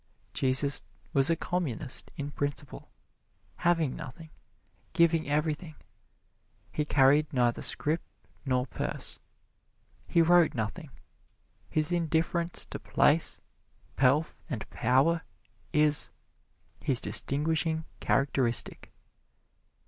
Jesus was a communist in principle, having nothing, giving everything. He carried neither scrip nor purse. He wrote nothing. His indifference to place, pelf and power is His distinguishing characteristic.